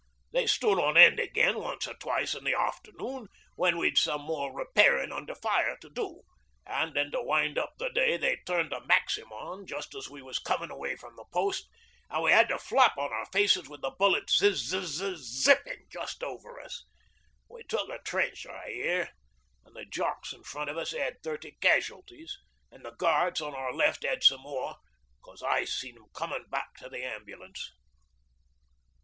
They stood on end again once or twice in the afternoon, when we'd some more repairin' under fire to do; an' then to wind up the day they turned a maxim on just as we was comin' away from the post, an' we had to flop on our faces with the bullets zizz izz ipping just over us. We took a trench, I hear; an' the Jocks in front of us had thirty casualties, and the Guards on our left 'ad some more, 'cos I seed 'em comin' back to the ambulance.